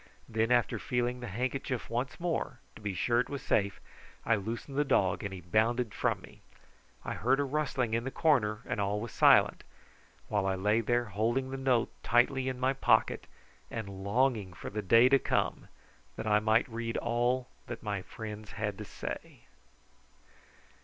Then after feeling the handkerchief once more, to be sure it was safe, I loosened the dog and he bounded from me. I heard a rustling in the corner, and all was silent, while I lay there holding the note tightly in my pocket and longing for the day to come that I might read all that my friends had to say.